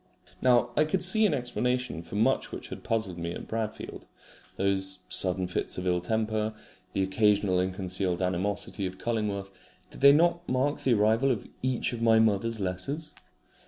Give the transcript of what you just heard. Now I could see an explanation for much which had puzzled me at Bradfield. Those sudden fits of ill temper, the occasional ill concealed animosity of Cullingworth did they not mark the arrival of each of my mother's letters?